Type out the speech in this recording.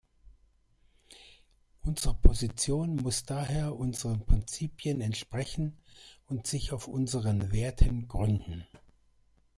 Unsere Position muss daher unseren Prinzipien entsprechen und sich auf unseren Werten gründen.